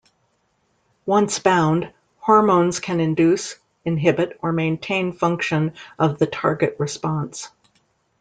Once bound, hormones can induce, inhibit, or maintain function of the target response.